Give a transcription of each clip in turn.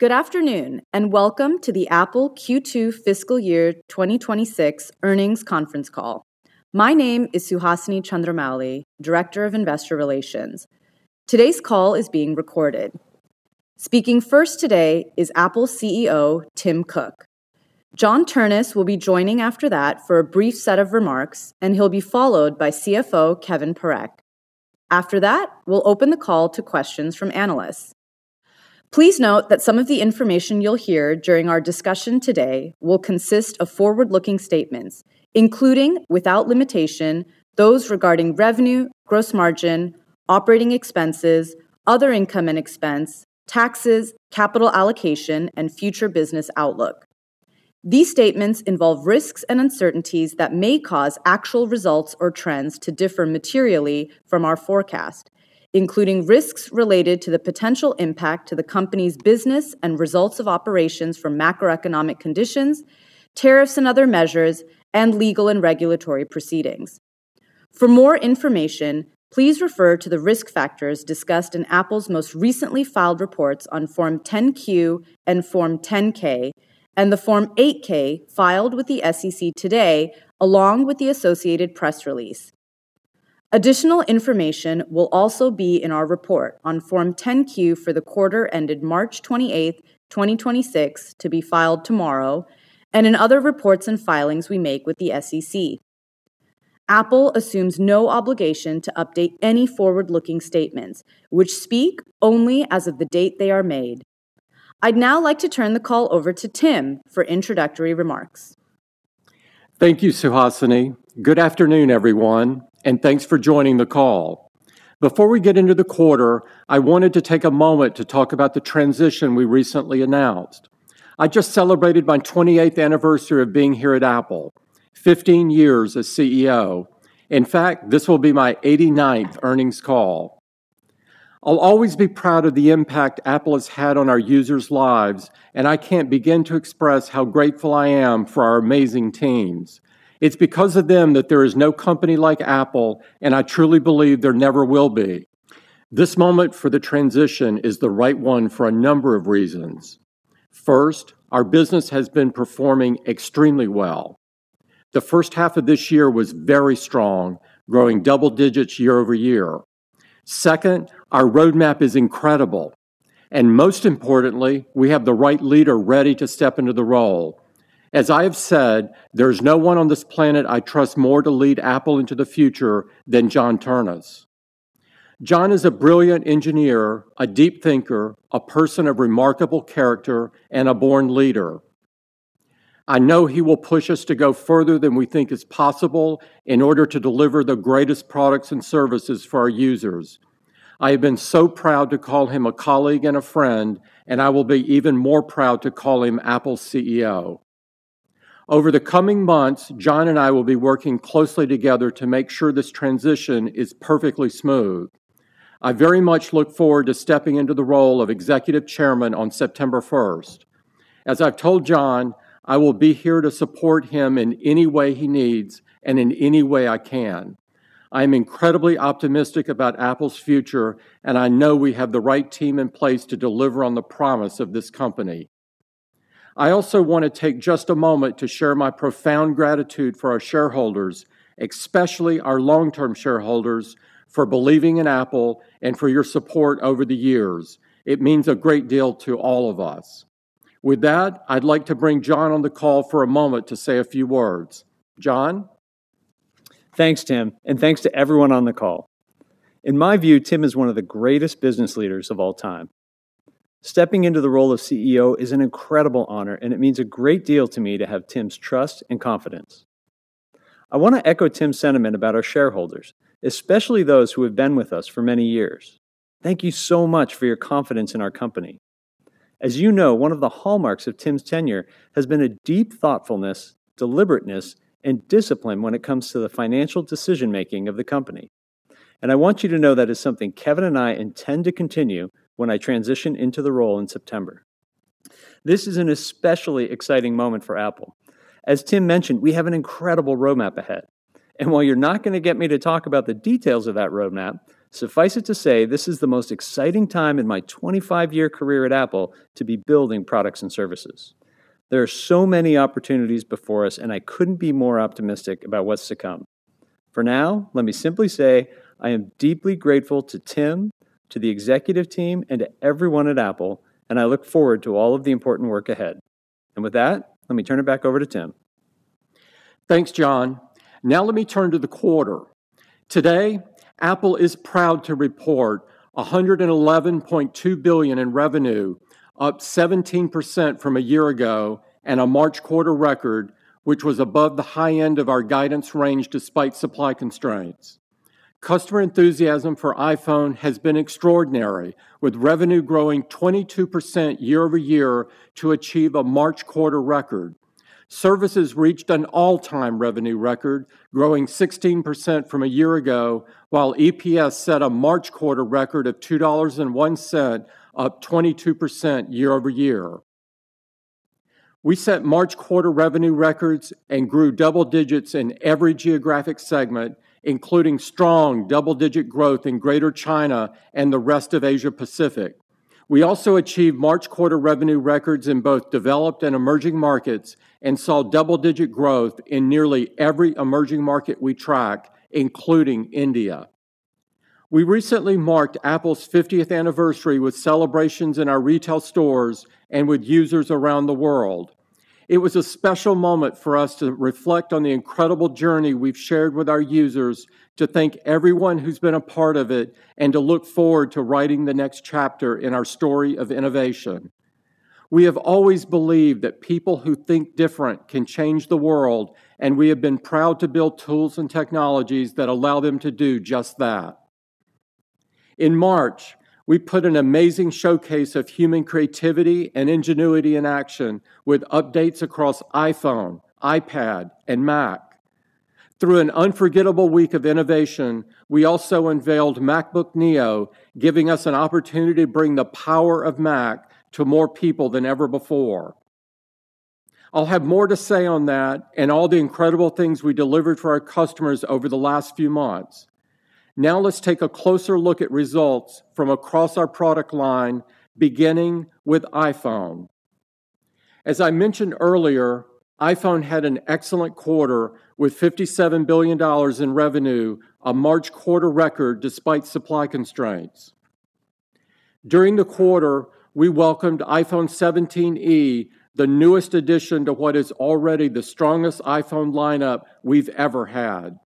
Good afternoon, welcome to the Apple Q2 fiscal year 2026 earnings conference call. My name is Suhasini Chandramouli, Director of Investor Relations. Today's call is being recorded. Speaking first today is Apple CEO Tim Cook. John Ternus will be joining after that for a brief set of remarks, and he'll be followed by CFO Kevan Parekh. After that, we'll open the call to questions from analysts. Please note that some of the information you'll hear during our discussion today will consist of forward-looking statements, including, without limitation, those regarding revenue, gross margin, operating expenses, other income and expense, taxes, capital allocation, and future business outlook. These statements involve risks and uncertainties that may cause actual results or trends to differ materially from our forecast, including risks related to the potential impact to the company's business and results of operations from macroeconomic conditions, tariffs and other measures, and legal and regulatory proceedings. For more information, please refer to the risk factors discussed in Apple's most recently filed reports on Form 10-Q and Form 10-K and the Form 8-K filed with the SEC today, along with the associated press release. Additional information will also be in our report on Form 10-Q for the quarter ended March 28th, 2026 to be filed tomorrow and in other reports and filings we make with the SEC. Apple assumes no obligation to update any forward-looking statements which speak only as of the date they are made. I'd now like to turn the call over to Tim for introductory remarks. Thank you, Suhasini. Good afternoon, everyone, and thanks for joining the call. Before we get into the quarter, I wanted to take a moment to talk about the transition we recently announced. I just celebrated my 28th anniversary of being here at Apple, 15 years as CEO. In fact, this will be my 89th earnings call. I'll always be proud of the impact Apple has had on our users' lives, and I can't begin to express how grateful I am for our amazing teams. It's because of them that there is no company like Apple, and I truly believe there never will be. This moment for the transition is the right one for a number of reasons. First, our business has been performing extremely well. The first half of this year was very strong, growing double digits year-over-year. Second, our roadmap is incredible. Most importantly, we have the right leader ready to step into the role. As I have said, there is no 1 on this planet I trust more to lead Apple into the future than John Ternus. John is a brilliant engineer, a deep thinker, a person of remarkable character, and a born leader. I know he will push us to go further than we think is possible in order to deliver the greatest products and services for our users. I have been so proud to call him a colleague and a friend, and I will be even more proud to call him Apple's CEO. Over the coming months, John and I will be working closely together to make sure this transition is perfectly smooth. I very much look forward to stepping into the role of Executive Chairman on September 1st. As I've told John, I will be here to support him in any way he needs and in any way I can. I am incredibly optimistic about Apple's future, and I know we have the right team in place to deliver on the promise of this company. I also want to take just a moment to share my profound gratitude for our shareholders, especially our long-term shareholders, for believing in Apple and for your support over the years. It means a great deal to all of us. With that, I'd like to bring John on the call for a moment to say a few words. John? Thanks, Tim, and thanks to everyone on the call. In my view, Tim is one of the greatest business leaders of all time. Stepping into the role of CEO is an incredible honor, and it means a great deal to me to have Tim's trust and confidence. I want to echo Tim's sentiment about our shareholders, especially those who have been with us for many years. Thank you so much for your confidence in our company. As you know, one of the hallmarks of Tim's tenure has been a deep thoughtfulness, deliberateness, and discipline when it comes to the financial decision-making of the company. I want you to know that is something Kevan and I intend to continue when I transition into the role in September. This is an especially exciting moment for Apple. As Tim mentioned, we have an incredible roadmap ahead. While you're not going to get me to talk about the details of that roadmap, suffice it to say this is the most exciting time in my 25-year career at Apple to be building products and services. There are so many opportunities before us, and I couldn't be more optimistic about what's to come. For now, let me simply say I am deeply grateful to Tim, to the executive team, and to everyone at Apple, and I look forward to all of the important work ahead. With that, let me turn it back over to Tim. Thanks, John. Let me turn to the quarter. Today, Apple is proud to report $111.2 billion in revenue, up 17% from a year ago, and a March quarter record, which was above the high end of our guidance range despite supply constraints. Customer enthusiasm for iPhone has been extraordinary, with revenue growing 22% year-over-year to achieve a March quarter record. Services reached an all-time revenue record, growing 16% from a year ago, while EPS set a March quarter record of $2.01, up 22% year-over-year. We set March quarter revenue records and grew double digits in every geographic segment, including strong double-digit growth in Greater China and the rest of Asia Pacific. We also achieved March quarter revenue records in both developed and emerging markets and saw double-digit growth in nearly every emerging market we track, including India. We recently marked Apple's 50th anniversary with celebrations in our retail stores and with users around the world. It was a special moment for us to reflect on the incredible journey we've shared with our users, to thank everyone who's been a part of it, and to look forward to writing the next chapter in our story of innovation. We have always believed that people who think different can change the world, and we have been proud to build tools and technologies that allow them to do just that. In March, we put an amazing showcase of human creativity and ingenuity in action with updates across iPhone, iPad, and Mac. Through an unforgettable week of innovation, we also unveiled MacBook Neo, giving us an opportunity to bring the power of Mac to more people than ever before. I'll have more to say on that and all the incredible things we delivered for our customers over the last few months. Let's take a closer look at results from across our product line, beginning with iPhone. As I mentioned earlier, iPhone had an excellent quarter with $57 billion in revenue, a March quarter record despite supply constraints. During the quarter, we welcomed iPhone 17e, the newest addition to what is already the strongest iPhone lineup we've ever had.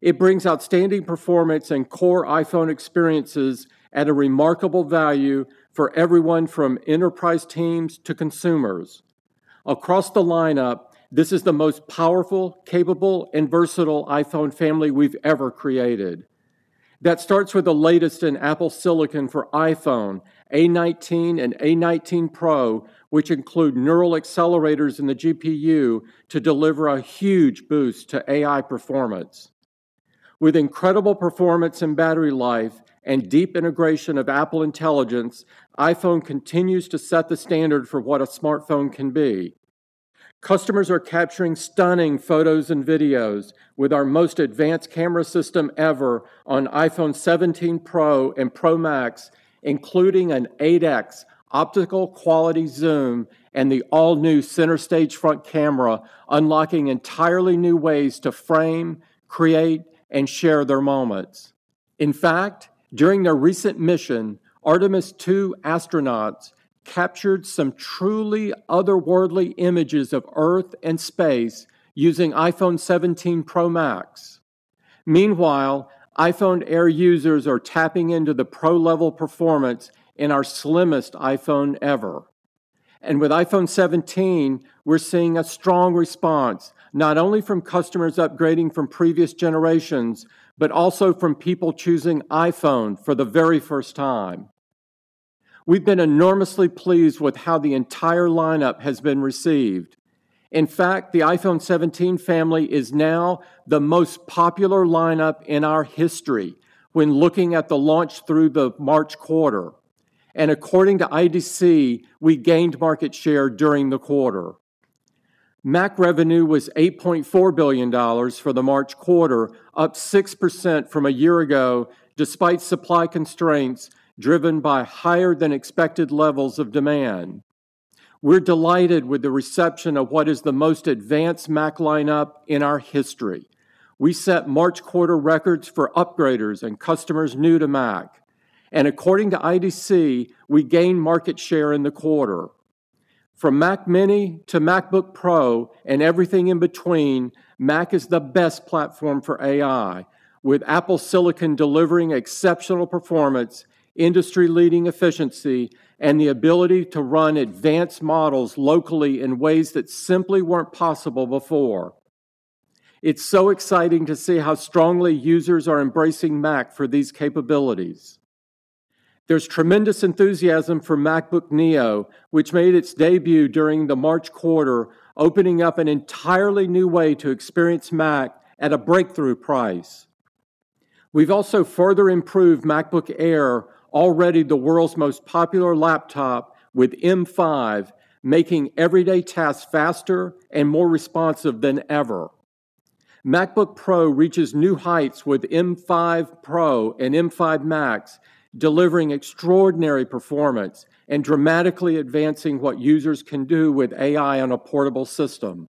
It brings outstanding performance and core iPhone experiences at a remarkable value for everyone from enterprise teams to consumers. Across the lineup, this is the most powerful, capable, and versatile iPhone family we've ever created. That starts with the latest in Apple silicon for iPhone, A19 and A19 Pro, which include neural accelerators in the GPU to deliver a huge boost to AI performance. With incredible performance and battery life and deep integration of Apple Intelligence, iPhone continues to set the standard for what a smartphone can be. Customers are capturing stunning photos and videos with our most advanced camera system ever on iPhone 17 Pro and Pro Max, including an 8x optical quality zoom and the all-new Center Stage front camera, unlocking entirely new ways to frame, create, and share their moments. In fact, during their recent mission, Artemis II astronauts captured some truly otherworldly images of Earth and space using iPhone 17 Pro Max. Meanwhile, iPhone Air users are tapping into the pro-level performance in our slimmest iPhone ever. With iPhone 17, we're seeing a strong response, not only from customers upgrading from previous generations, but also from people choosing iPhone for the very first time. We've been enormously pleased with how the entire lineup has been received. In fact, the iPhone 17 family is now the most popular lineup in our history when looking at the launch through the March quarter. According to IDC, we gained market share during the quarter. Mac revenue was $8.4 billion for the March quarter, up 6% from a year-ago, despite supply constraints driven by higher-than-expected levels of demand. We're delighted with the reception of what is the most advanced Mac lineup in our history. We set March quarter records for upgraders and customers new to Mac. According to IDC, we gained market share in the quarter. From Mac mini to MacBook Pro and everything in between, Mac is the best platform for AI, with Apple silicon delivering exceptional performance, industry-leading efficiency, and the ability to run advanced models locally in ways that simply weren't possible before. It's so exciting to see how strongly users are embracing Mac for these capabilities. There's tremendous enthusiasm for MacBook Neo, which made its debut during the March quarter, opening up an entirely new way to experience Mac at a breakthrough price. We've also further improved MacBook Air, already the world's most popular laptop, with M5, making everyday tasks faster and more responsive than ever. MacBook Pro reaches new heights with M5 Pro and M5 Max, delivering extraordinary performance and dramatically advancing what users can do with AI on a portable system.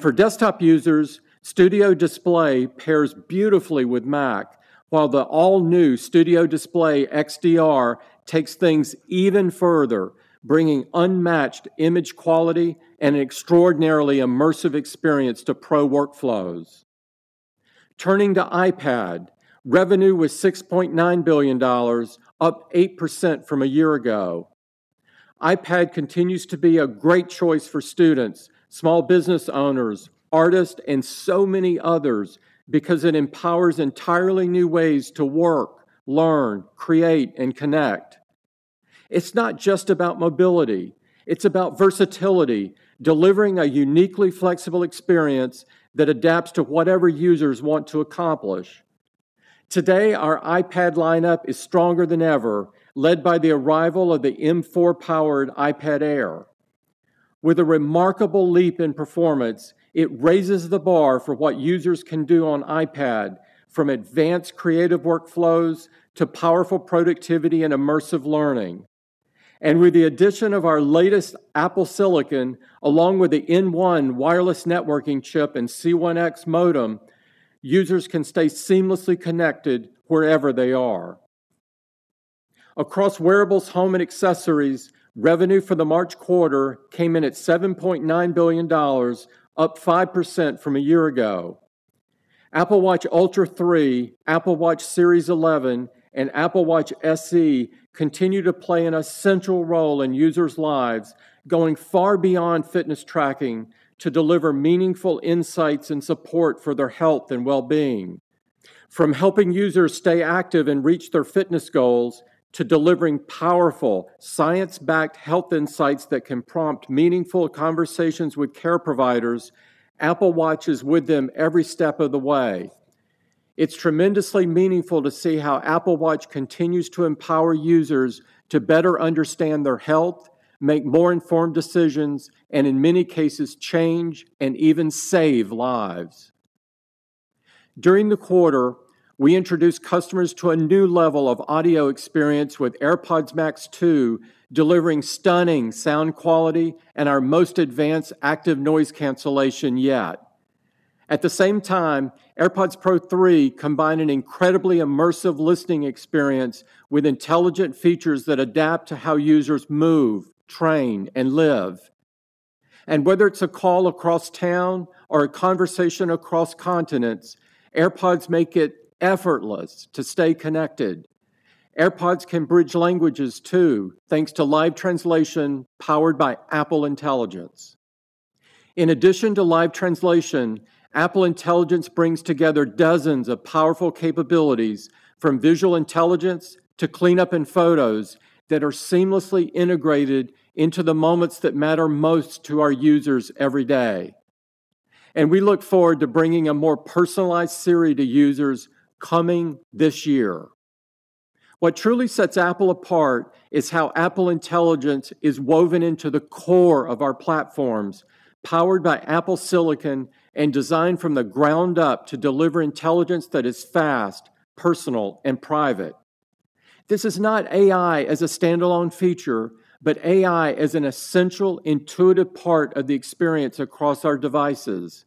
For desktop users, Studio Display pairs beautifully with Mac, while the all-new Studio Display XDR takes things even further, bringing unmatched image quality and an extraordinarily immersive experience to pro workflows. Turning to iPad, revenue was $6.9 billion, up 8% from a year ago. iPad continues to be a great choice for students, small business owners, artists, and so many others because it empowers entirely new ways to work, learn, create, and connect. It's not just about mobility. It's about versatility, delivering a uniquely flexible experience that adapts to whatever users want to accomplish. Today, our iPad lineup is stronger than ever, led by the arrival of the M4-powered iPad Air. With a remarkable leap in performance, it raises the bar for what users can do on iPad, from advanced creative workflows to powerful productivity and immersive learning. With the addition of our latest Apple silicon, along with the N1 wireless networking chip and C1X modem, users can stay seamlessly connected wherever they are. Across wearables, home, and accessories, revenue for the March quarter came in at $7.9 billion, up 5% from a one year ago. Apple Watch Ultra 3, Apple Watch Series 11, and Apple Watch SE continue to play an essential role in users' lives, going far beyond fitness tracking to deliver meaningful insights and support for their health and well-being. From helping users stay active and reach their fitness goals to delivering powerful, science-backed health insights that can prompt meaningful conversations with care providers, Apple Watch is with them every step of the way. It's tremendously meaningful to see how Apple Watch continues to empower users to better understand their health, make more informed decisions, and in many cases change and even save lives. During the quarter, we introduced customers to a new level of audio experience with AirPods Max 2, delivering stunning sound quality and our most advanced active noise cancellation yet. At the same time, AirPods Pro 3 combine an incredibly immersive listening experience with intelligent features that adapt to how users move, train, and live. Whether it's a call across town or a conversation across continents, AirPods make it effortless to stay connected. AirPods can bridge languages too, thanks to live translation powered by Apple Intelligence. In addition to live translation, Apple Intelligence brings together dozens of powerful capabilities from visual intelligence to cleanup in photos that are seamlessly integrated into the moments that matter most to our users every day. We look forward to bringing a more personalized Siri to users coming this year. What truly sets Apple apart is how Apple Intelligence is woven into the core of our platforms, powered by Apple silicon and designed from the ground up to deliver intelligence that is fast, personal, and private. This is not AI as a standalone feature, but AI as an essential, intuitive part of the experience across our devices.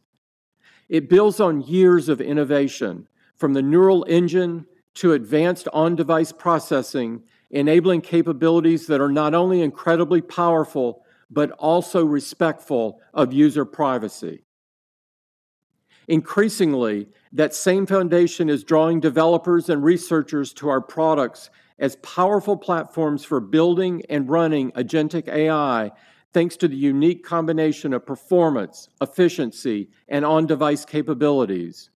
It builds on years of innovation, from the neural engine to advanced on-device processing, enabling capabilities that are not only incredibly powerful, but also respectful of user privacy. Increasingly, that same foundation is drawing developers and researchers to our products as powerful platforms for building and running agentic AI, thanks to the unique combination of performance, efficiency, and on-device capabilities.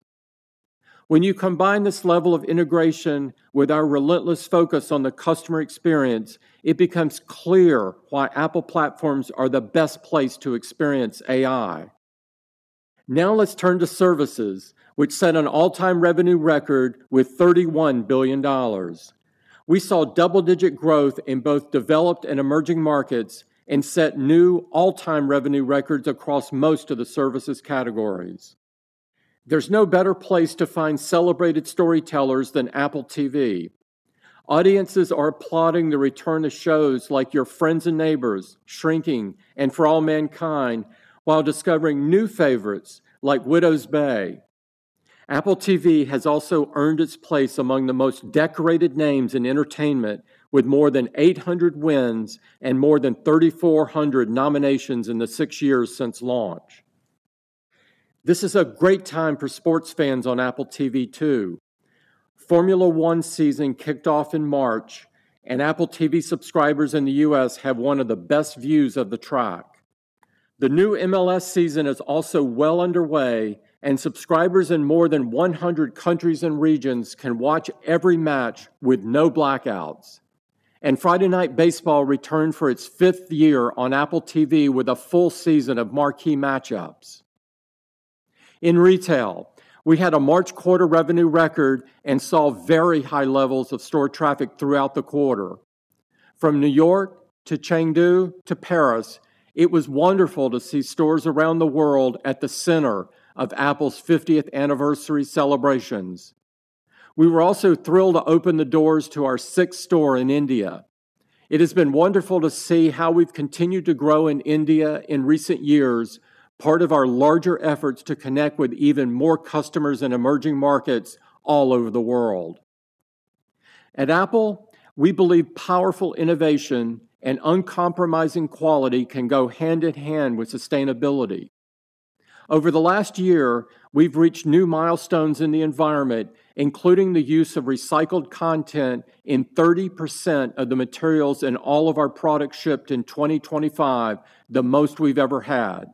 When you combine this level of integration with our relentless focus on the customer experience, it becomes clear why Apple platforms are the best place to experience AI. Now let's turn to services, which set an all-time revenue record with $31 billion. We saw double-digit growth in both developed and emerging markets and set new all-time revenue records across most of the services categories. There's no better place to find celebrated storytellers than Apple TV. Audiences are applauding the return of shows like Your Friends & Neighbors, Shrinking, and For All Mankind, while discovering new favorites like Widow's Bay. Apple TV has also earned its place among the most decorated names in entertainment, with more than 800 wins and more than 3,400 nominations in the six years since launch. This is a great time for sports fans on Apple TV too. Formula One season kicked off in March, and Apple TV subscribers in the U.S. have one of the best views of the track. The new MLS season is also well underway, and subscribers in more than 100 countries and regions can watch every match with no blackouts. Friday Night Baseball returned for its fifth year on Apple TV with a full season of marquee matchups. In retail, we had a March quarter revenue record and saw very high levels of store traffic throughout the quarter. From New York to Chengdu to Paris, it was wonderful to see stores around the world at the center of Apple's 50th anniversary celebrations. We were also thrilled to open the doors to our sixth store in India. It has been wonderful to see how we've continued to grow in India in recent years, part of our larger efforts to connect with even more customers in emerging markets all over the world. At Apple, we believe powerful innovation and uncompromising quality can go hand in hand with sustainability. Over the last year, we've reached new milestones in the environment, including the use of recycled content in 30% of the materials in all of our products shipped in 2025, the most we've ever had.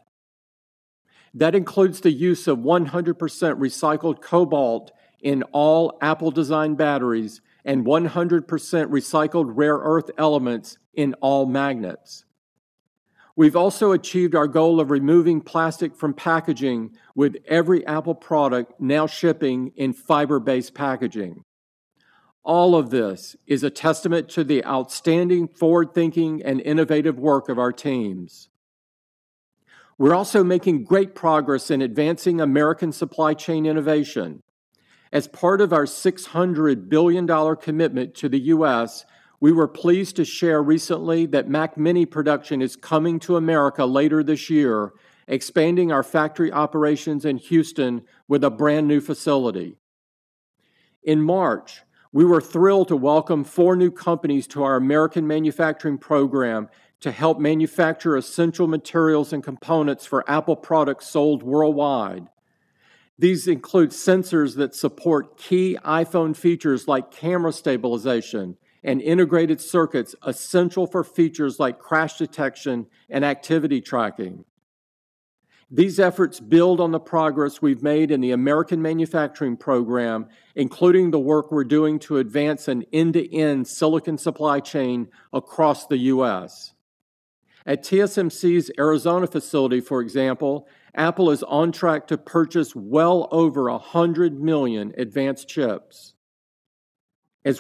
That includes the use of 100% recycled cobalt in all Apple-designed batteries and 100% recycled rare earth elements in all magnets. We've also achieved our goal of removing plastic from packaging with every Apple product now shipping in fiber-based packaging. All of this is a testament to the outstanding forward-thinking and innovative work of our teams. We're also making great progress in advancing American supply chain innovation. As part of our $600 billion commitment to the U.S., we were pleased to share recently that Mac mini production is coming to America later this year, expanding our factory operations in Houston with a brand-new facility. In March, we were thrilled to welcome four new companies to our American manufacturing program to help manufacture essential materials and components for Apple products sold worldwide. These include sensors that support key iPhone features like camera stabilization and integrated circuits essential for features like crash detection and activity tracking. These efforts build on the progress we've made in the American manufacturing program, including the work we're doing to advance an end-to-end silicon supply chain across the U.S. At TSMC's Arizona facility, for example, Apple is on track to purchase well over 100 million advanced chips.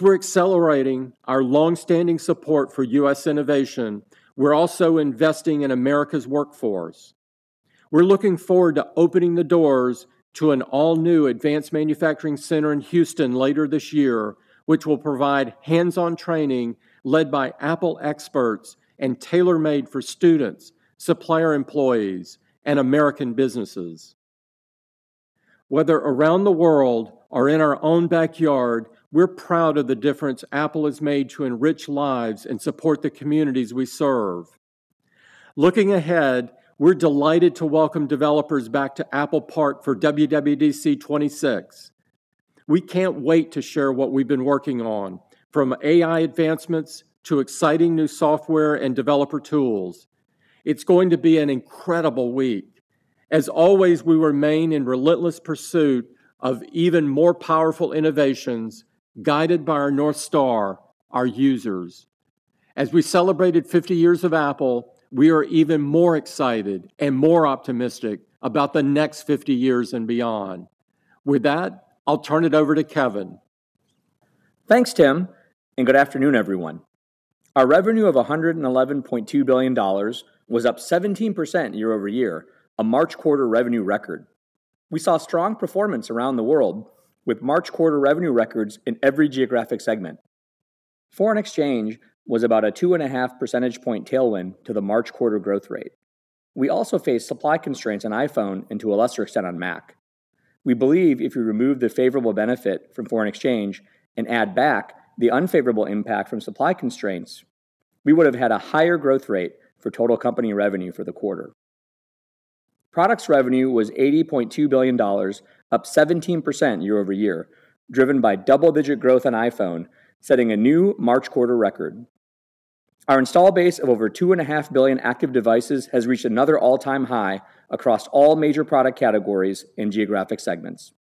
We're accelerating our long-standing support for U.S. innovation, we're also investing in America's workforce. We're looking forward to opening the doors to an all-new advanced manufacturing center in Houston later this year, which will provide hands-on training led by Apple experts and tailor-made for students, supplier employees, and American businesses. Whether around the world or in our own backyard, we're proud of the difference Apple has made to enrich lives and support the communities we serve. Looking ahead, we're delighted to welcome developers back to Apple Park for WWDC 2026. We can't wait to share what we've been working on, from AI advancements to exciting new software and developer tools. It's going to be an incredible week. As always, we remain in relentless pursuit of even more powerful innovations guided by our North Star, our users. As we celebrated 50 years of Apple, we are even more excited and more optimistic about the next 50 years and beyond. With that, I'll turn it over to Kevan. Thanks, Tim. Good afternoon, everyone. Our revenue of $111.2 billion was up 17% year-over-year, a March quarter revenue record. We saw strong performance around the world with March quarter revenue records in every geographic segment. Foreign exchange was about a 2.5 percentage point tailwind to the March quarter growth rate. We also faced supply constraints on iPhone and to a lesser extent on Mac. We believe if you remove the favorable benefit from foreign exchange and add back the unfavorable impact from supply constraints, we would have had a higher growth rate for total company revenue for the quarter. Products revenue was $80.2 billion, up 17% year-over-year, driven by double-digit growth on iPhone, setting a new March quarter record. Our install base of over 2.5 billion active devices has reached another all-time high across all major product categories and geographic segments.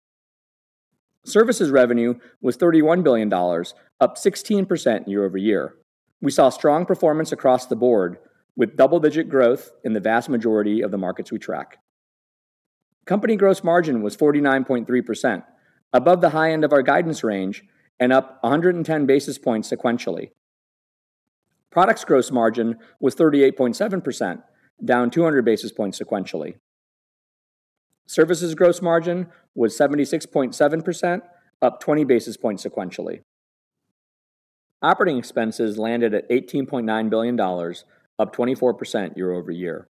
Services revenue was $31 billion, up 16% year-over-year. We saw strong performance across the board with double-digit growth in the vast majority of the markets we track. Company gross margin was 49.3%, above the high end of our guidance range and up 110 basis points sequentially. Products gross margin was 38.7%, down 200 basis points sequentially. Services gross margin was 76.7%, up 20 basis points sequentially. Operating expenses landed at $18.9 billion, up 24% year-over-year.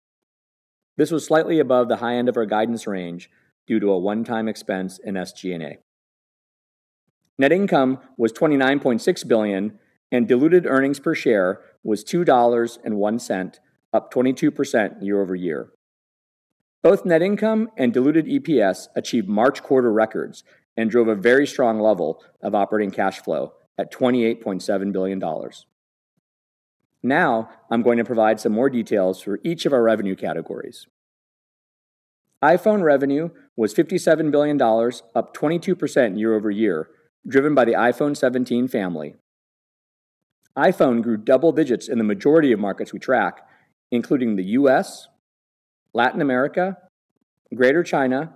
This was slightly above the high end of our guidance range due to a one-time expense in SG&A. Net income was $29.6 billion, and diluted earnings per share was $2.01, up 22% year-over-year. Both net income and diluted EPS achieved March quarter records and drove a very strong level of operating cash flow at $28.7 billion. I'm going to provide some more details for each of our revenue categories. iPhone revenue was $57 billion, up 22% year-over-year, driven by the iPhone 17 family. iPhone grew double digits in the majority of markets we track, including the U.S., Latin America, Greater China,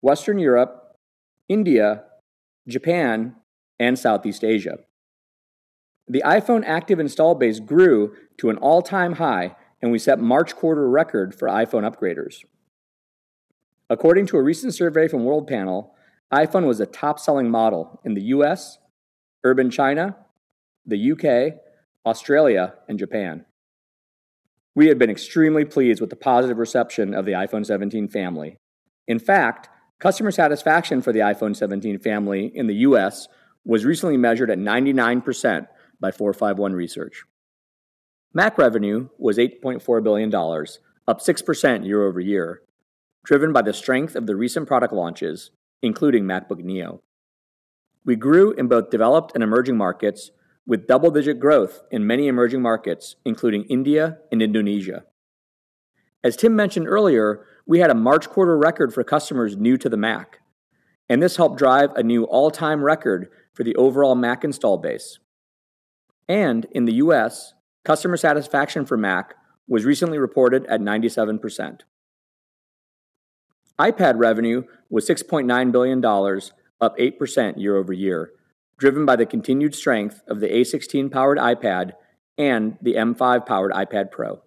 Western Europe, India, Japan, and Southeast Asia. The iPhone active install base grew to an all-time high, and we set March quarter record for iPhone upgraders. According to a recent survey from Worldpanel, iPhone was a top-selling model in the U.S., urban China, the U.K., Australia, and Japan. We have been extremely pleased with the positive reception of the iPhone 17 family. In fact, customer satisfaction for the iPhone 17 family in the U.S. was recently measured at 99% by 451 Research. Mac revenue was $8.4 billion, up 6% year-over-year, driven by the strength of the recent product launches, including MacBook Neo. We grew in both developed and emerging markets with double-digit growth in many emerging markets, including India and Indonesia. As Tim mentioned earlier, we had a March quarter record for customers new to the Mac. And this helped drive a new all-time record for the overall Mac install base. In the U.S., customer satisfaction for Mac was recently reported at 97%. iPad revenue was $6.9 billion, up 8% year-over-year, driven by the continued strength of the A16-powered iPad and the M5-powered iPad Pro.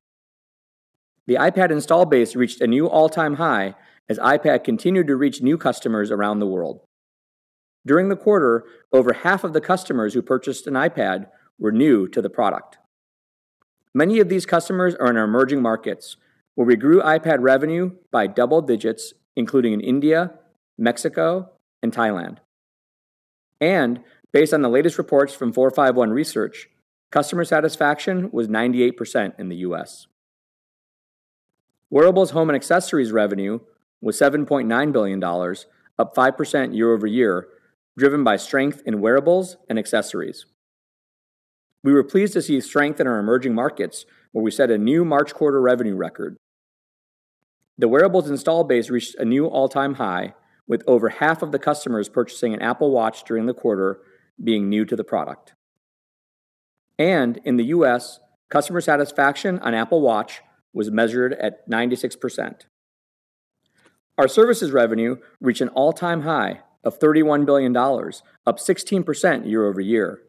The iPad install base reached a new all-time high as iPad continued to reach new customers around the world. During the quarter, over half of the customers who purchased an iPad were new to the product. Many of these customers are in our emerging markets, where we grew iPad revenue by double digits, including in India, Mexico, and Thailand. Based on the latest reports from 451 Research, customer satisfaction was 98% in the U.S. Wearables, home, and accessories revenue was $7.9 billion, up 5% year-over-year, driven by strength in wearables and accessories. We were pleased to see strength in our emerging markets, where we set a new March quarter revenue record. The wearables install base reached a new all-time high, with over half of the customers purchasing an Apple Watch during the quarter being new to the product. In the U.S., customer satisfaction on Apple Watch was measured at 96%. Our services revenue reached an all-time high of $31 billion, up 16% year-over-year.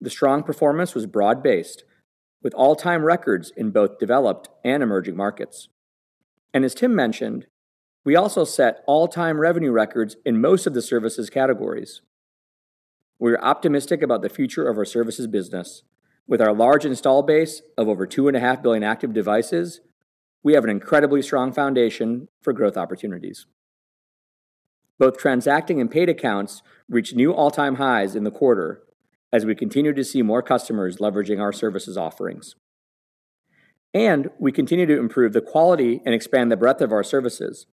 The strong performance was broad-based, with all-time records in both developed and emerging markets. As Tim mentioned, we also set all-time revenue records in most of the services categories. We're optimistic about the future of our services business. With our large install base of over 2.5 billion active devices, we have an incredibly strong foundation for growth opportunities. Both transacting and paid accounts reached new all-time highs in the quarter as we continue to see more customers leveraging our services offerings. We continue to improve the quality and expand the breadth of our services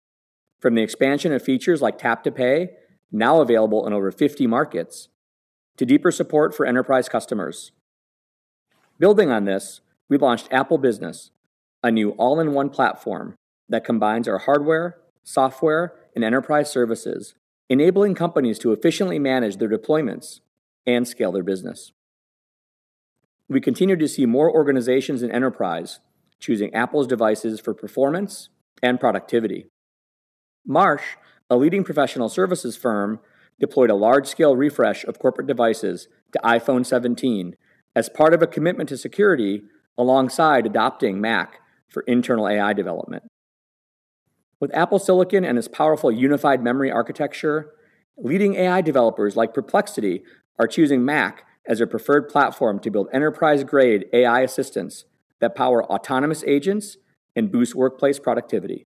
from the expansion of features like Tap to Pay, now available in over 50 markets, to deeper support for enterprise customers. Building on this, we've launched Apple Business, a new all-in-one platform that combines our hardware, software, and enterprise services, enabling companies to efficiently manage their deployments and scale their business. We continue to see more organizations and enterprise choosing Apple's devices for performance and productivity. Marsh, a leading professional services firm, deployed a large-scale refresh of corporate devices to iPhone 17 as part of a commitment to security alongside adopting Mac for internal AI development. With Apple silicon and its powerful unified memory architecture, leading AI developers like Perplexity are choosing Mac as their preferred platform to build enterprise-grade AI assistants that power autonomous agents and boost workplace productivity.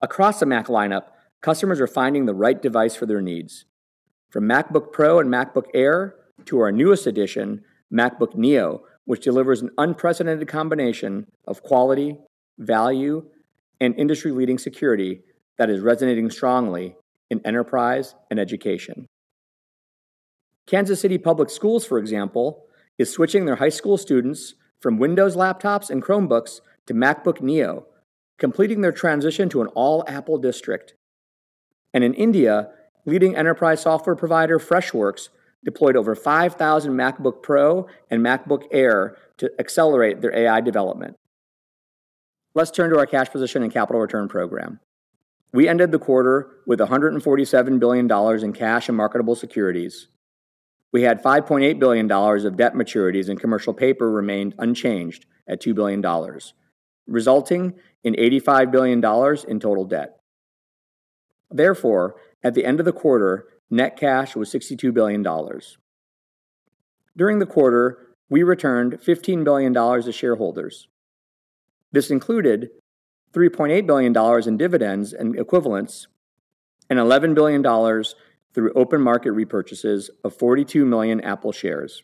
Across the Mac lineup, customers are finding the right device for their needs. From MacBook Pro and MacBook Air to our newest edition, MacBook Neo, which delivers an unprecedented combination of quality, value, and industry-leading security that is resonating strongly in enterprise and education. Kansas City Public Schools, for example, is switching their high school students from Windows laptops and Chromebooks to MacBook Neo, completing their transition to an all-Apple district. In India, leading enterprise software provider Freshworks deployed over 5,000 MacBook Pro and MacBook Air to accelerate their AI development. Let's turn to our cash position and capital return program. We ended the quarter with $147 billion in cash and marketable securities. We had $5.8 billion of debt maturities, and commercial paper remained unchanged at $2 billion, resulting in $85 billion in total debt. Therefore, at the end of the quarter, net cash was $62 billion. During the quarter, we returned $15 billion to shareholders. This included $3.8 billion in dividends and equivalents and $11 billion through open market repurchases of 42 million Apple shares.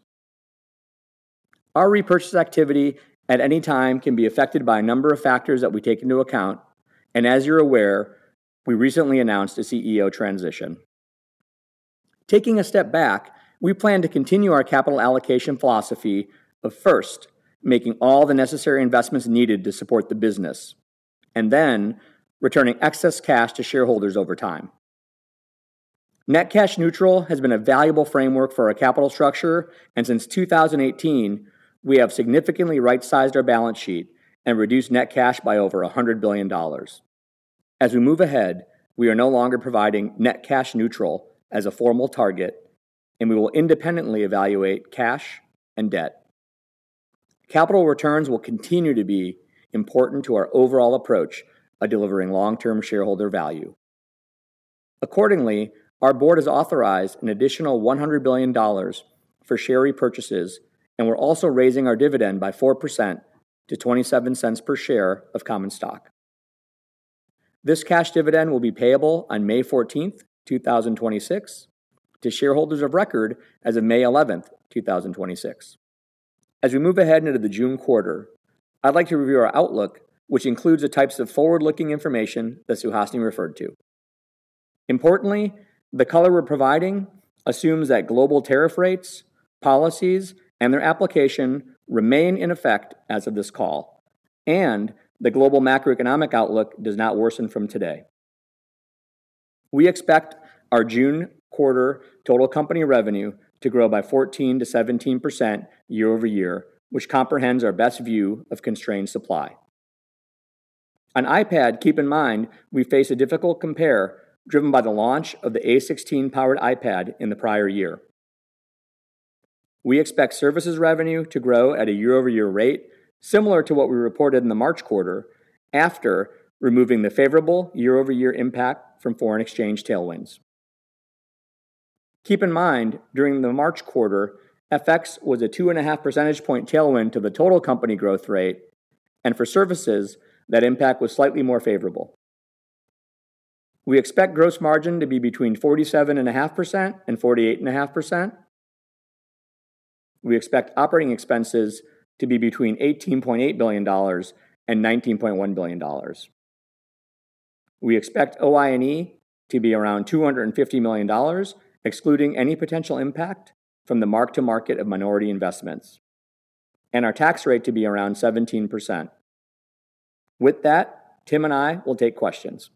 Our repurchase activity at any time can be affected by a number of factors that we take into account. As you're aware, we recently announced a CEO transition. Taking a step back, we plan to continue our capital allocation philosophy of first making all the necessary investments needed to support the business and then returning excess cash to shareholders over time. Net cash neutral has been a valuable framework for our capital structure, and since 2018, we have significantly right-sized our balance sheet and reduced net cash by over $100 billion. As we move ahead, we are no longer providing net cash neutral as a formal target, and we will independently evaluate cash and debt. Capital returns will continue to be important to our overall approach by delivering long-term shareholder value. Accordingly, our board has authorized an additional $100 billion for share repurchases, and we're also raising our dividend by 4% to $0.27 per share of common stock. This cash dividend will be payable on May 14th, 2026 to shareholders of record as of May 11th, 2026. As we move ahead into the June quarter, I'd like to review our outlook, which includes the types of forward-looking information that Suhasini referred to. Importantly, the color we're providing assumes that global tariff rates, policies, and their application remain in effect as of this call. The global macroeconomic outlook does not worsen from today. We expect our June quarter total company revenue to grow by 14%-17% year-over-year, which comprehends our best view of constrained supply. On iPad, keep in mind, we face a difficult compare driven by the launch of the A16-powered iPad in the prior year. We expect services revenue to grow at a year-over-year rate similar to what we reported in the March quarter after removing the favorable year-over-year impact from foreign exchange tailwinds. Keep in mind, during the March quarter, FX was a 2.5 percentage point tailwind to the total company growth rate, and for services, that impact was slightly more favorable. We expect gross margin to be between 47.5% and 48.5%. We expect operating expenses to be between $18.8 billion and $19.1 billion. We expect OINE to be around $250 million, excluding any potential impact from the mark-to-market of minority investments, and our tax rate to be around 17%. With that, Tim and I will take questions.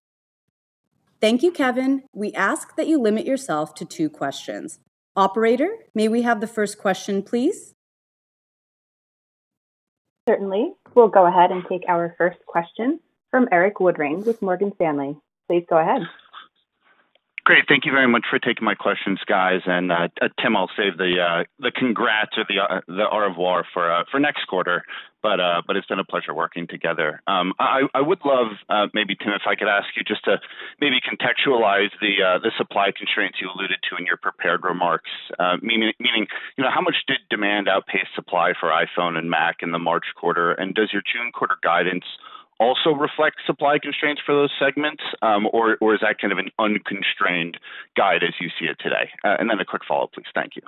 Thank you, Kevan. We ask that you limit yourself to two questions. Operator, may we have the first question, please? Certainly. We'll go ahead and take our first question from Erik Woodring with Morgan Stanley. Please go ahead. Great. Thank you very much for taking my questions, guys. Tim, I'll save the congrats or the au revoir for next quarter. It's been a pleasure working together. I would love, maybe, Tim, if I could ask you just to maybe contextualize the supply constraints you alluded to in your prepared remarks. Meaning, you know, how much did demand outpace supply for iPhone and Mac in the March quarter? Does your June quarter guidance also reflect supply constraints for those segments? Or is that kind of an unconstrained guide as you see it today? A quick follow-up, please. Thank you.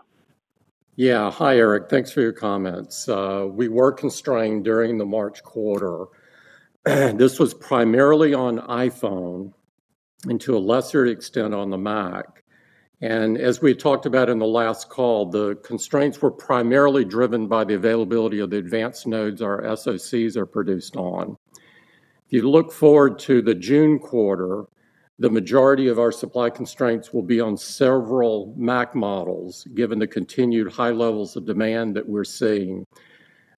Yeah. Hi, Erik. Thanks for your comments. We were constrained during the March quarter. This was primarily on iPhone and to a lesser extent on the Mac. As we talked about in the last call, the constraints were primarily driven by the availability of the advanced nodes our SOCs are produced on. If you look forward to the June quarter, the majority of our supply constraints will be on several Mac models, given the continued high levels of demand that we're seeing.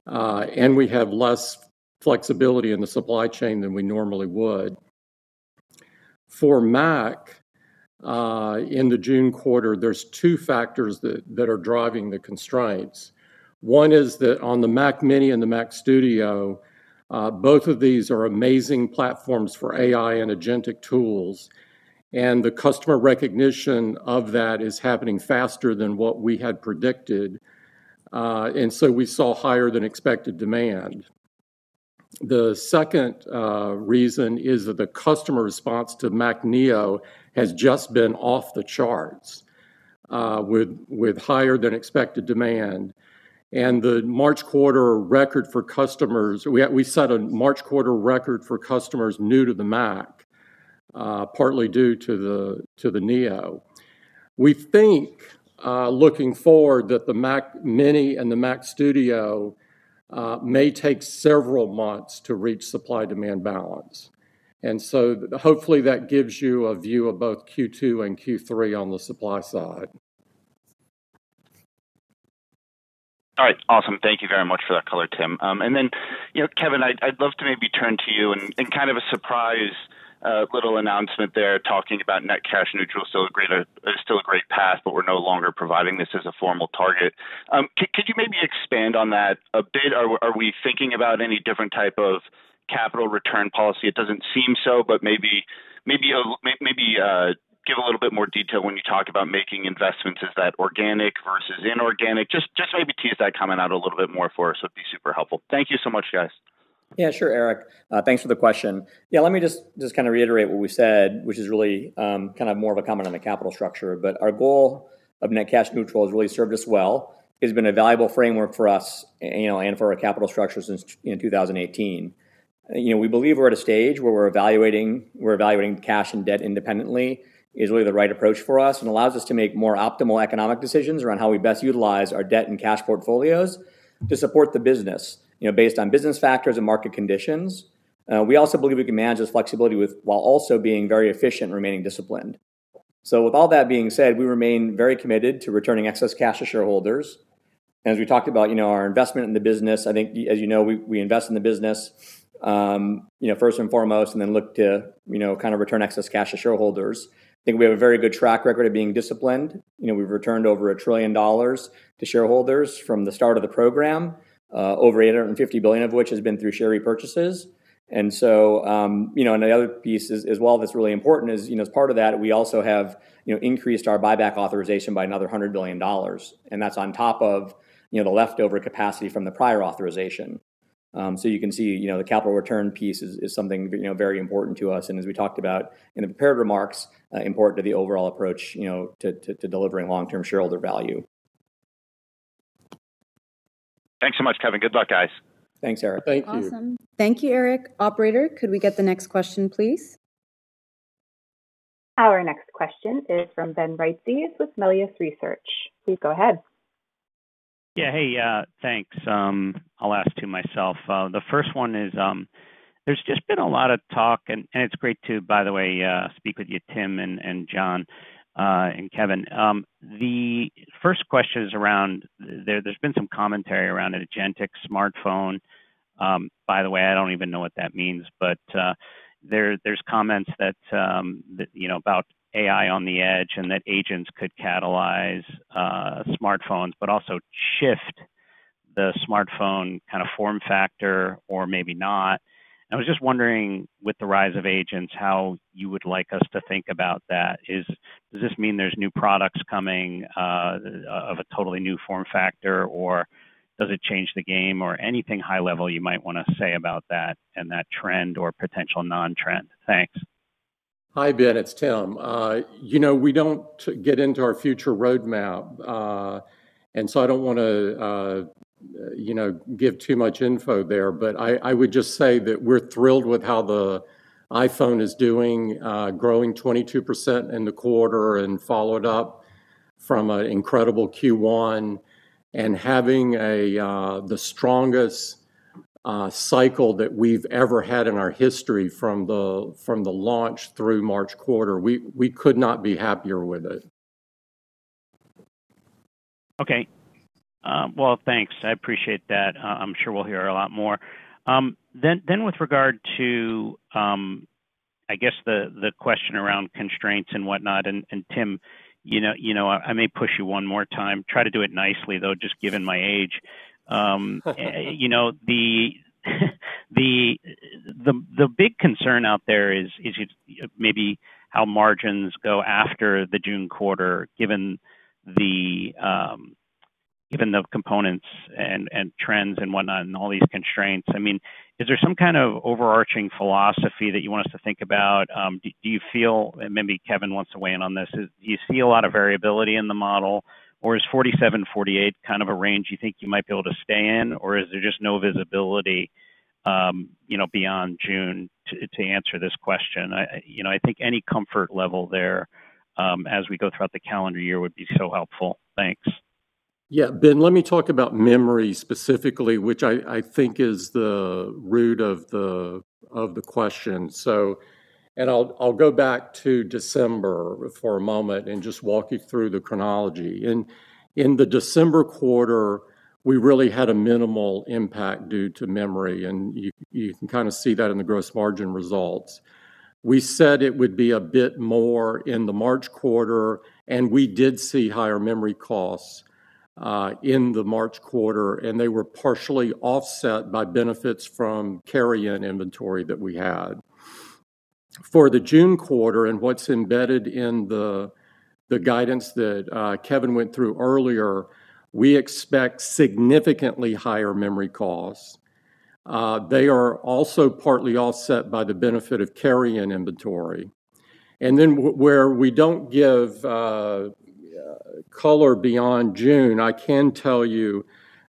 We have less flexibility in the supply chain than we normally would. For Mac, in the June quarter, there's 2 factors that are driving the constraints. One is that on the Mac mini and the Mac Studio, both of these are amazing platforms for AI and agentic tools, and the customer recognition of that is happening faster than what we had predicted. We saw higher than expected demand. The second reason is that the customer response to MacBook Neo has just been off the charts, with higher than expected demand. The March quarter record for customers, we set a March quarter record for customers new to the Mac, partly due to the Neo. We think, looking forward, that the Mac mini and the Mac Studio may take several months to reach supply-demand balance. Hopefully that gives you a view of both Q2 and Q3 on the supply side. All right. Awesome. Thank you very much for that color, Tim. You know, Kevan, I'd love to maybe turn to you and kind of a surprise little announcement there talking about net cash neutral. Still a great path, but we're no longer providing this as a formal target. Could you maybe expand on that a bit? Are we thinking about any different type of capital return policy? It doesn't seem so, but maybe give a little bit more detail when you talk about making investments. Is that organic versus inorganic? Just maybe tease that comment out a little bit more for us would be super helpful. Thank you so much, guys. Erik, thanks for the question. Let me just reiterate what we said, which is really more of a comment on the capital structure. Our goal of net cash neutral has really served us well. It's been a valuable framework for us, you know, and for our capital structure since, you know, 2018. We believe we're at a stage where we're evaluating cash and debt independently is really the right approach for us and allows us to make more optimal economic decisions around how we best utilize our debt and cash portfolios to support the business, you know, based on business factors and market conditions. We also believe we can manage this flexibility while also being very efficient and remaining disciplined. With all that being said, we remain very committed to returning excess cash to shareholders. As we talked about, you know, our investment in the business, I think, as you know, we invest in the business, you know, first and foremost, and then look to, you know, kind of return excess cash to shareholders. I think we have a very good track record of being disciplined. You know, we've returned over $1 trillion to shareholders from the start of the program, over $850 billion of which has been through share repurchases. You know, and the other piece as well that's really important is, you know, as part of that, we also have, you know, increased our buyback authorization by another $100 billion, and that's on top of, you know, the leftover capacity from the prior authorization. You can see, you know, the capital return piece is something, you know, very important to us, and as we talked about in the prepared remarks, important to the overall approach, you know, to delivering long-term shareholder value. Thanks so much, Kevan. Good luck, guys. Thanks, Erik. Thank you. Awesome. Thank you, Erik. Operator, could we get the next question, please? Our next question is from Ben Reitzes with Melius Research. Please go ahead. Yeah. Hey, thanks. I'll ask 2 myself. The first one is, there's just been a lot of talk and it's great to, by the way, speak with you, Tim and John, and Kevan. The first question is around there's been some commentary around an agentic smartphone. By the way, I don't even know what that means, but there's comments that, you know, about AI on the edge and that agents could catalyze smartphones, but also shift the smartphone kind of form factor or maybe not. I was just wondering, with the rise of agents, how you would like us to think about that. Is Does this mean there's new products coming, of a totally new form factor, or does it change the game or anything high level you might wanna say about that and that trend or potential non-trend? Thanks. Hi, Ben, it's Tim. you know, we don't get into our future roadmap. I don't wanna, you know, give too much info there, but I would just say that we're thrilled with how the iPhone is doing, growing 22% in the quarter and followed up from a incredible Q1 and having the strongest cycle that we've ever had in our history from the launch through March quarter. We could not be happier with it. Okay. Well, thanks. I appreciate that. I'm sure we'll hear a lot more. With regard to, I guess the question around constraints and whatnot, Tim, you know, I may push you one more time. Try to do it nicely, though, just given my age. The big concern out there is it's maybe how margins go after the June quarter, given the components and trends and whatnot and all these constraints. Is there some kind of overarching philosophy that you want us to think about? Do you feel, and maybe Kevan wants to weigh in on this, is do you see a lot of variability in the model, or is 47, 48 kind of a range you think you might be able to stay in, or is there just no visibility, you know, beyond June to answer this question? I, you know, I think any comfort level there, as we go throughout the calendar year would be so helpful. Thanks. Yeah. Ben, let me talk about memory specifically, which I think is the root of the question. And I'll go back to December for a moment and just walk you through the chronology. In the December quarter, we really had a minimal impact due to memory, and you can kinda see that in the gross margin results. We said it would be a bit more in the March quarter, and we did see higher memory costs in the March quarter, and they were partially offset by benefits from carry-in inventory that we had. For the June quarter, and what's embedded in the guidance that Kevan went through earlier, we expect significantly higher memory costs. They are also partly offset by the benefit of carry-in inventory. Then where we don't give color beyond June, I can tell you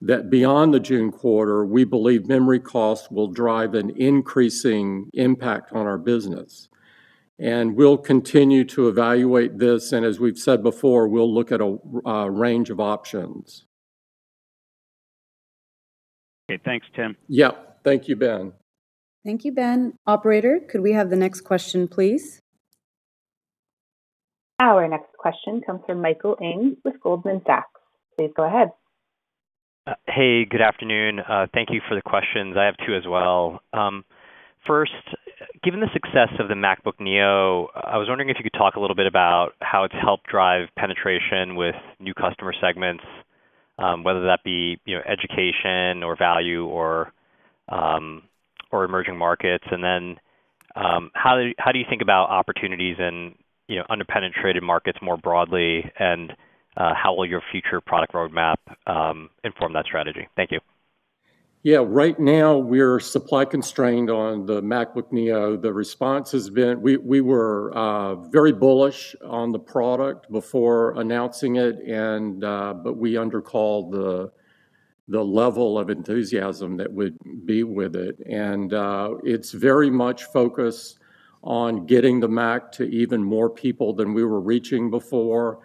that beyond the June quarter, we believe memory costs will drive an increasing impact on our business. We'll continue to evaluate this, and as we've said before, we'll look at a range of options. Okay. Thanks, Tim. Yeah. Thank you, Ben. Thank you, Ben. Operator, could we have the next question, please? Our next question comes from Michael Ng with Goldman Sachs. Please go ahead. Hey, good afternoon. Thank you for the questions. I have two as well. First, given the success of the MacBook Neo, I was wondering if you could talk a little bit about how it's helped drive penetration with new customer segments, whether that be, you know, education or value or emerging markets. Then, how do you think about opportunities in, you know, under-penetrated markets more broadly, how will your future product roadmap inform that strategy? Thank you. Yeah. Right now we're supply constrained on the MacBook Neo. The response has been. We were very bullish on the product before announcing it. We undercalled the level of enthusiasm that would be with it. It's very much focused on getting the Mac to even more people than we were reaching before.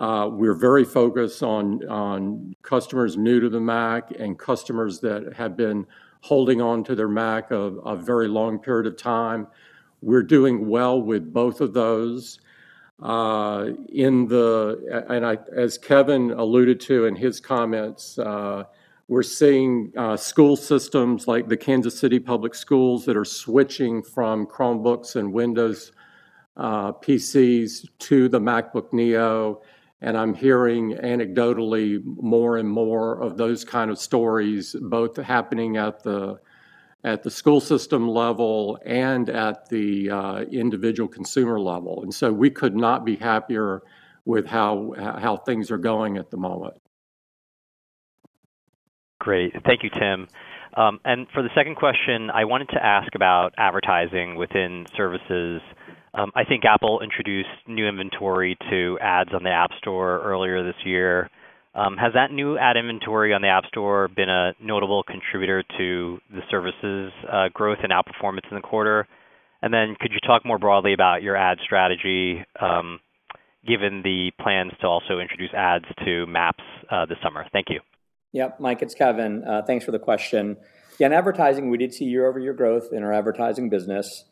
We're very focused on customers new to the Mac and customers that have been holding onto their Mac a very long period of time. We're doing well with both of those. As Kevan alluded to in his comments, we're seeing school systems like the Kansas City Public Schools that are switching from Chromebooks and Windows PCs to the MacBook Neo, and I'm hearing anecdotally more and more of those kind of stories, both happening at the school system level and at the individual consumer level. We could not be happier with how things are going at the moment. Great. Thank you, Tim. For the second question, I wanted to ask about advertising within services. I think Apple introduced new inventory to ads on the App Store earlier this year. Has that new ad inventory on the App Store been a notable contributor to the services growth and outperformance in the quarter? Could you talk more broadly about your ad strategy, given the plans to also introduce ads to Maps this summer. Thank you. Michael Ng, it's Kevan Parekh. Thanks for the question. In advertising, we did see year-over-year growth in our advertising business.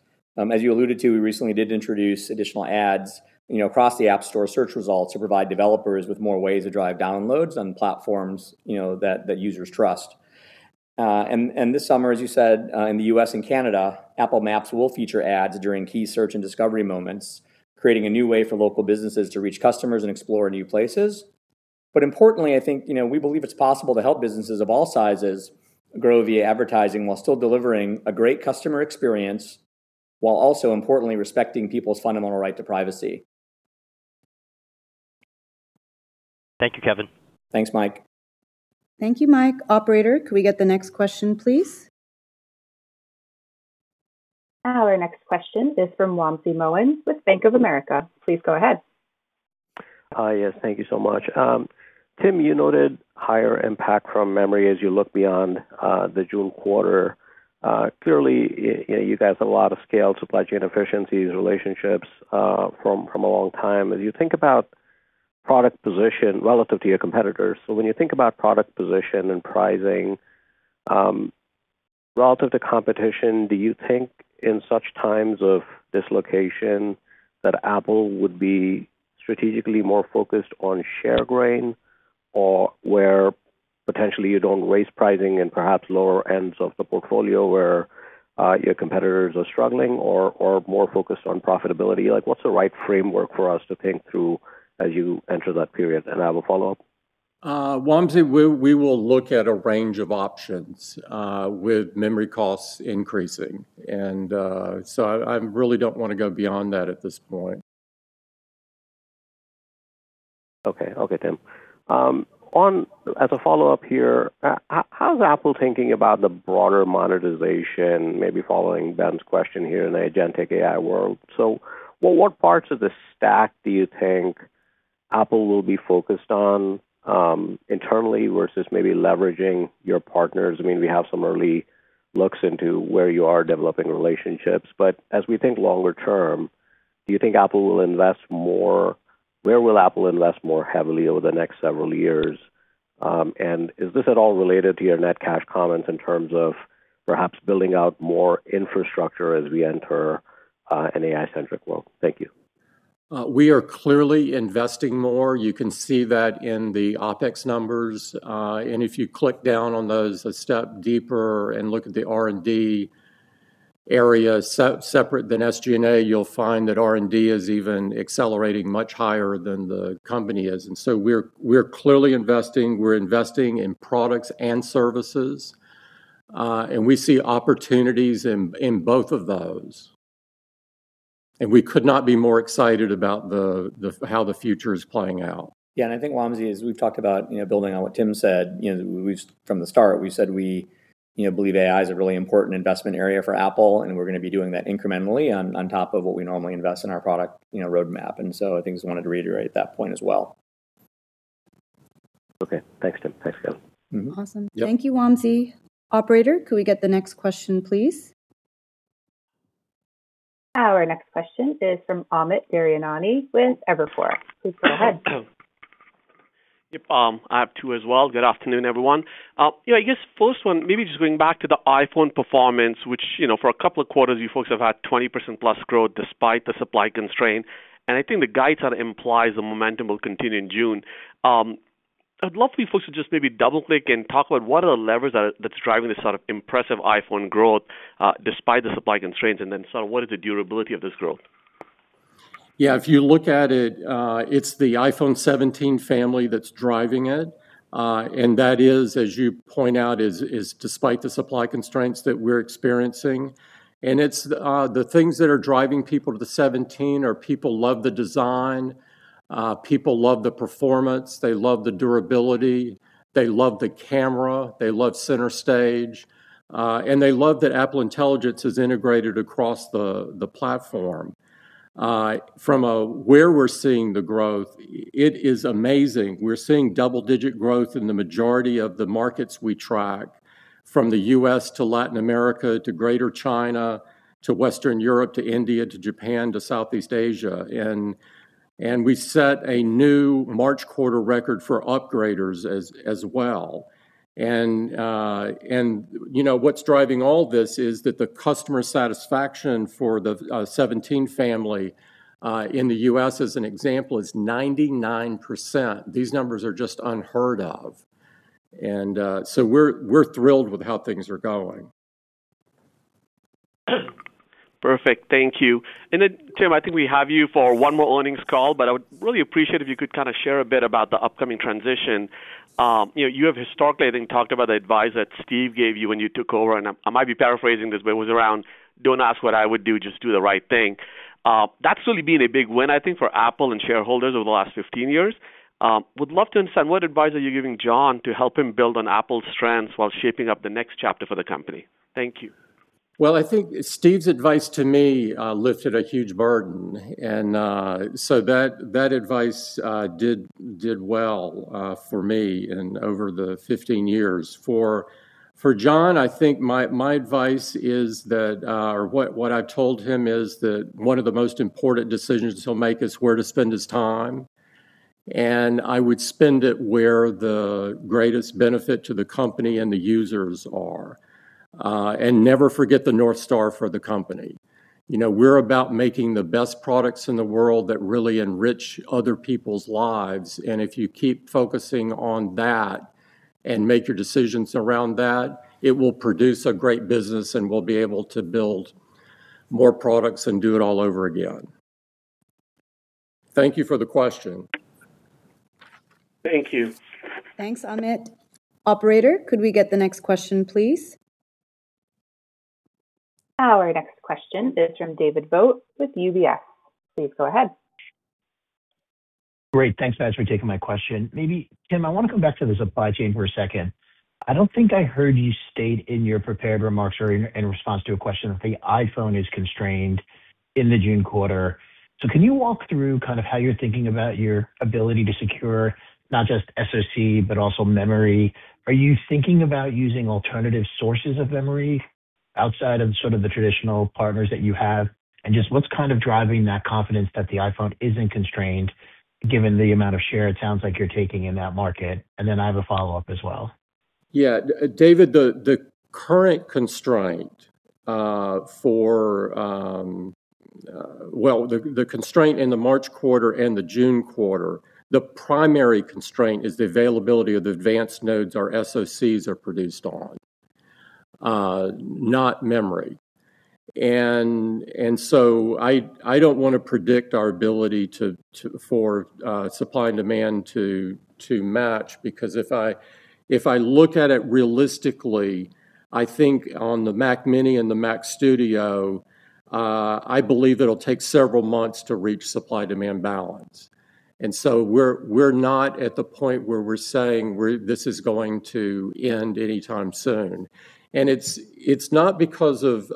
As you alluded to, we recently did introduce additional ads, you know, across the App Store search results to provide developers with more ways to drive downloads on platforms, you know, that users trust. And this summer, as you said, in the U.S. and Canada, Apple Maps will feature ads during key search and discovery moments, creating a new way for local businesses to reach customers and explore new places. Importantly, I think, you know, we believe it's possible to help businesses of all sizes grow via advertising while still delivering a great customer experience, while also importantly respecting people's fundamental right to privacy. Thank you, Kevan. Thanks, Mike. Thank you, Mike. Operator, could we get the next question, please? Our next question is from Wamsi Mohan with Bank of America. Please go ahead. Hi, yes. Thank you so much. Tim, you noted higher impact from memory as you look beyond the June quarter. Clearly, you guys have a lot of scale, supply chain efficiencies, relationships from a long time. As you think about product position relative to your competitors, so when you think about product position and pricing relative to competition, do you think in such times of dislocation that Apple would be strategically more focused on share gain or where potentially you don't raise pricing and perhaps lower ends of the portfolio where your competitors are struggling or more focused on profitability? Like, what's the right framework for us to think through as you enter that period? I have a follow-up. Wamsi, we will look at a range of options, with memory costs increasing. I really don't wanna go beyond that at this point. Okay, Tim. As a follow-up here, how's Apple thinking about the broader monetization, maybe following Ben's question here in the agentic AI world? What parts of the stack do you think Apple will be focused on, internally versus maybe leveraging your partners? I mean, we have some early looks into where you are developing relationships. As we think longer term, where will Apple invest more heavily over the next several years? Is this at all related to your net cash comments in terms of perhaps building out more infrastructure as we enter an AI-centric world? Thank you. We are clearly investing more. You can see that in the OpEx numbers. If you click down on those a step deeper and look at the R&D areas separate than SG&A, you'll find that R&D is even accelerating much higher than the company is. We're clearly investing. We're investing in products and services, and we see opportunities in both of those. We could not be more excited about how the future is playing out. I think Wamsi, as we've talked about, you know, building on what Tim said, you know, from the start, we've said we, you know, believe AI is a really important investment area for Apple, and we're gonna be doing that incrementally on top of what we normally invest in our product, you know, roadmap. I think just wanted to reiterate that point as well. Okay. Thanks, Tim. Thanks, Kevan. Mm-hmm. Awesome. Yep. Thank you, Wamsi. Operator, could we get the next question, please? Our next question is from Amit Daryanani with Evercore. Please go ahead. Yep, I have two as well. Good afternoon, everyone. You know, I guess first one, maybe just going back to the iPhone performance, which, you know, for a couple of quarters you folks have had 20% plus growth despite the supply constraint, and I think the guide sort of implies the momentum will continue in June. I'd love for you folks to just maybe double-click and talk about what are the levers that's driving this sort of impressive iPhone growth despite the supply constraints, and then sort of what is the durability of this growth. Yeah, if you look at it's the iPhone 17 family that's driving it. That is, as you point out, is despite the supply constraints that we're experiencing. It's the things that are driving people to the 17 are people love the design, people love the performance, they love the durability, they love the camera, they love Center Stage, and they love that Apple Intelligence is integrated across the platform. From a where we're seeing the growth, it is amazing. We're seeing double-digit growth in the majority of the markets we track, from the U.S. to Latin America, to Greater China, to Western Europe, to India, to Japan, to Southeast Asia. We set a new March quarter record for upgraders as well. You know, what's driving all this is that the customer satisfaction for the iPhone 17 family in the U.S., as an example, is 99%. These numbers are just unheard of. We're thrilled with how things are going. Perfect. Thank you. Tim, I think we have you for 1 more earnings call, but I would really appreciate if you could kind of share a bit about the upcoming transition. You know, you have historically, I think, talked about the advice that Steve gave you when you took over, and I might be paraphrasing this, but it was around, "Don't ask what I would do, just do the right thing." That's really been a big win, I think, for Apple and shareholders over the last 15 years. Would love to understand, what advice are you giving John to help him build on Apple's strengths while shaping up the next chapter for the company? Thank you. Well, I think Steve's advice to me lifted a huge burden. So that advice did well, for me and over the 15 years. For John, I think my advice is that, or what I've told him is that one of the most important decisions he'll make is where to spend his time. I would spend it where the greatest benefit to the company and the users are. Never forget the North Star for the company. You know, we're about making the best products in the world that really enrich other people's lives. If you keep focusing on that and make your decisions around that, it will produce a great business, and we'll be able to build more products and do it all over again. Thank you for the question. Thank you. Thanks, Amit. Operator, could we get the next question, please? Our next question is from David Vogt with UBS. Please go ahead. Great. Thanks, guys, for taking my question. Maybe, Tim, I wanna come back to the supply chain for a second. I don't think I heard you state in your prepared remarks or in response to a question if the iPhone is constrained in the June quarter. Can you walk through kind of how you're thinking about your ability to secure not just SOC, but also memory? Are you thinking about using alternative sources of memory outside of sort of the traditional partners that you have? Just what's kind of driving that confidence that the iPhone isn't constrained given the amount of share it sounds like you're taking in that market? I have a follow-up as well. Yeah. David, the constraint in the March quarter and the June quarter, the primary constraint is the availability of the advanced nodes our SOCs are produced on, not memory. I don't want to predict our ability to for supply and demand to match because if I look at it realistically, I think on the Mac mini and the Mac Studio, I believe it will take several months to reach supply-demand balance. We're not at the point where we're saying this is going to end anytime soon. It's not because of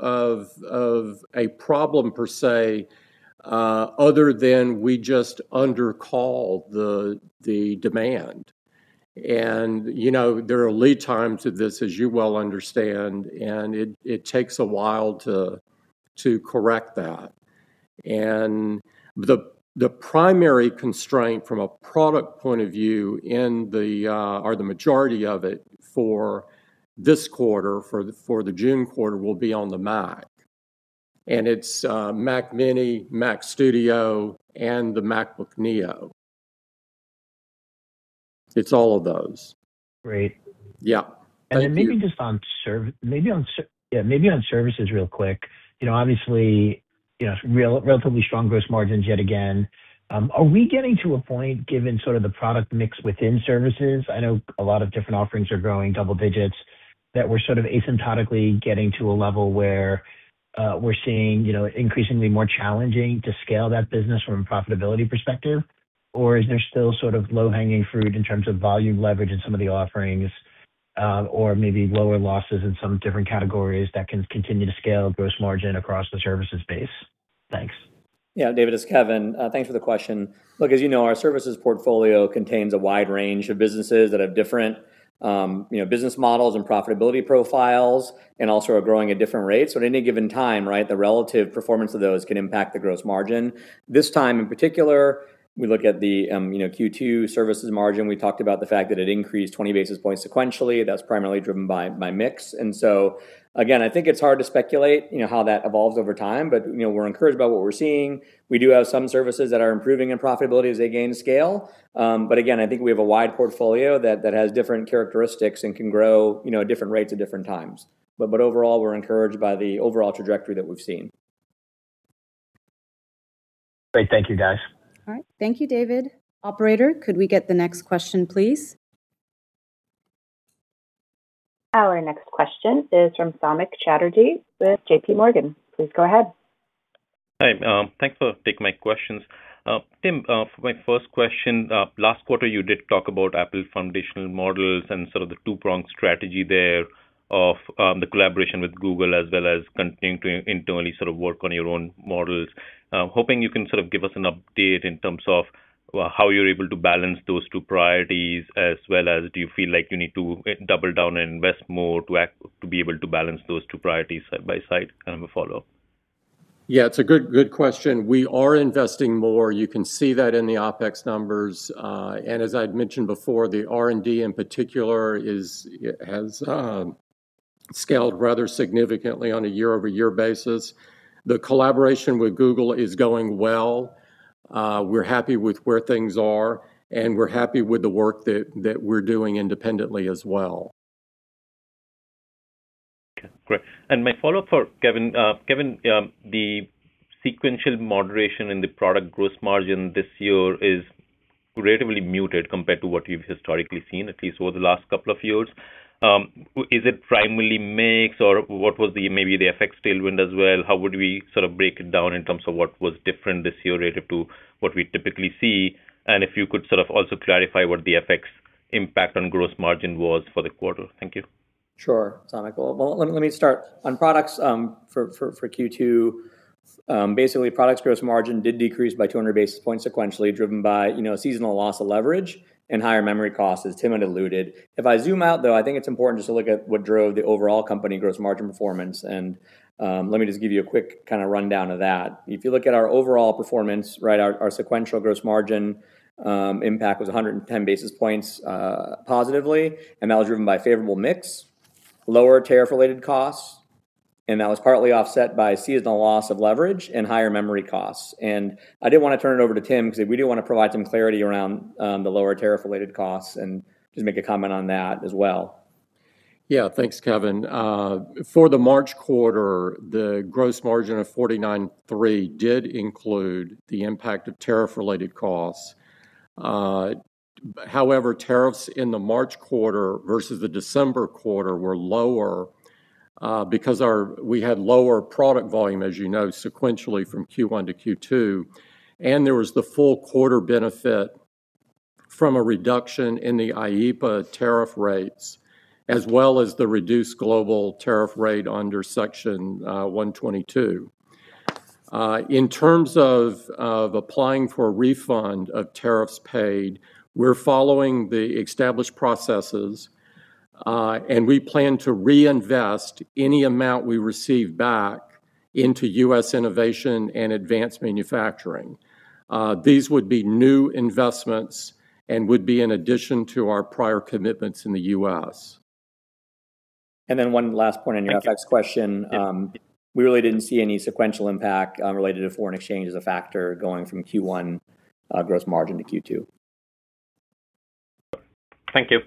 a problem per se, other than we just under called the demand. You know, there are lead time to this, as you well understand, it takes a while to correct that. The primary constraint from a product point of view in the or the majority of it for this quarter, for the June quarter, will be on the Mac. It's Mac mini, Mac Studio, and the MacBook Neo. It's all of those. Great. Yeah. Thank you. Maybe just on services real quick. You know, obviously, you know, real-relatively strong gross margins yet again. Are we getting to a point, given sort of the product mix within services, I know a lot of different offerings are growing double digits, that we're sort of asymptotically getting to a level where, we're seeing, you know, increasingly more challenging to scale that business from a profitability perspective? Or is there still sort of low-hanging fruit in terms of volume leverage in some of the offerings, or maybe lower losses in some different categories that can continue to scale gross margin across the services base? Thanks. Yeah, David, it's Kevan. Thanks for the question. Look, as you know, our services portfolio contains a wide range of businesses that have different, you know, business models and profitability profiles and also are growing at different rates. At any given time, right, the relative performance of those can impact the gross margin. This time in particular, we look at the, you know, Q2 services margin. We talked about the fact that it increased 20 basis points sequentially. That's primarily driven by mix. Again, I think it's hard to speculate, you know, how that evolves over time. You know, we're encouraged by what we're seeing. We do have some services that are improving in profitability as they gain scale. Again, I think we have a wide portfolio that has different characteristics and can grow, you know, at different rates at different times. Overall, we're encouraged by the overall trajectory that we've seen. Great. Thank you, guys. All right. Thank you, David. Operator, could we get the next question, please? Our next question is from Samik Chatterjee with JP Morgan. Please go ahead. Hi, thanks for taking my questions. Tim, for my first question, last quarter you did talk about Apple foundational models and sort of the two-pronged strategy there of the collaboration with Google as well as continuing to internally sort of work on your own models. Hoping you can sort of give us an update in terms of how you're able to balance those two priorities, as well as do you feel like you need to double down, invest more to be able to balance those two priorities side by side? Kind of a follow-up. Yeah, it's a good question. We are investing more. You can see that in the OpEx numbers. As I'd mentioned before, the R&D in particular has scaled rather significantly on a year-over-year basis. The collaboration with Google is going well. We're happy with where things are, and we're happy with the work that we're doing independently as well. Okay, great. My follow-up for Kevan. Kevan, the sequential moderation in the product gross margin this year is relatively muted compared to what you've historically seen, at least over the last couple of years. Is it primarily mix, or what was the, maybe the FX tailwind as well? How would we sort of break it down in terms of what was different this year relative to what we typically see? If you could sort of also clarify what the FX impact on gross margin was for the quarter. Thank you. Sure, Samik. Well, let me start. On products, for Q2, basically products gross margin did decrease by 200 basis points sequentially, driven by, you know, seasonal loss of leverage and higher memory costs, as Tim had alluded. If I zoom out, though, I think it's important just to look at what drove the overall company gross margin performance, and let me just give you a quick kinda rundown of that. If you look at our overall performance, right, our sequential gross margin impact was 110 basis points positively, and that was driven by favorable mix, lower tariff-related costs, and that was partly offset by seasonal loss of leverage and higher memory costs. I did wanna turn it over to Tim, 'cause we do wanna provide some clarity around the lower tariff-related costs, and just make a comment on that as well. Yeah, thanks, Kevan. For the March quarter, the gross margin of 49.3% did include the impact of tariff-related costs. However, tariffs in the March quarter versus the December quarter were lower because we had lower product volume, as you know, sequentially from Q1 to Q2. There was the full quarter benefit from a reduction in the IEEPA tariff rates, as well as the reduced global tariff rate under Section 122. In terms of applying for a refund of tariffs paid, we're following the established processes, and we plan to reinvest any amount we receive back into U.S. innovation and advanced manufacturing. These would be new investments and would be in addition to our prior commitments in the U.S. 1 last point on your FX question. We really didn't see any sequential impact related to foreign exchange as a factor going from Q1 gross margin to Q2. Thank you.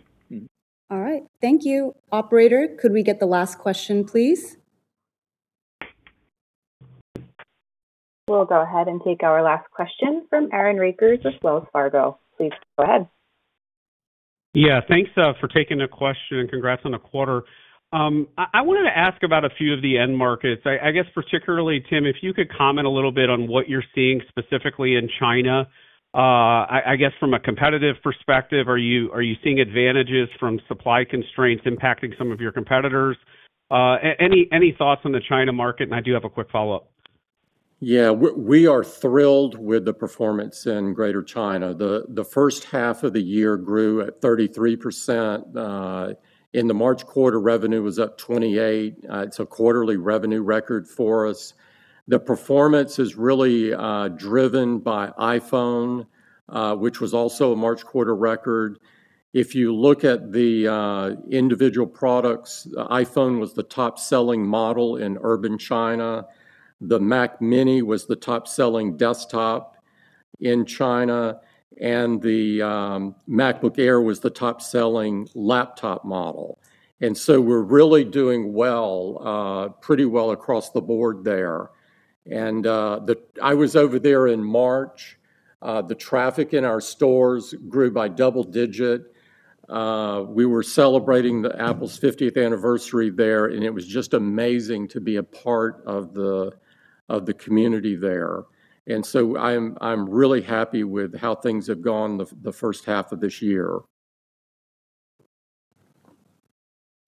Mm. All right. Thank you. Operator, could we get the last question, please? We'll go ahead and take our last question from Aaron Rakers with Wells Fargo. Please go ahead. Yeah, thanks for taking the question, and congrats on the quarter. I wanted to ask about a few of the end markets. I guess particularly, Tim, if you could comment a little bit on what you're seeing specifically in China. I guess from a competitive perspective, are you seeing advantages from supply constraints impacting some of your competitors? Any thoughts on the China market, and I do have a quick follow-up. Yeah. We are thrilled with the performance in Greater China. The first half of the year grew at 33%. In the March quarter, revenue was up 28%. It's a quarterly revenue record for us. The performance is really driven by iPhone, which was also a March quarter record. If you look at the individual products, iPhone was the top-selling model in urban China. The Mac mini was the top-selling desktop in China, and the MacBook Air was the top-selling laptop model. We're really doing well, pretty well across the board there. I was over there in March. The traffic in our stores grew by double digit. We were celebrating the Apple's fiftieth anniversary there, and it was just amazing to be a part of the community there. I'm really happy with how things have gone the first half of this year.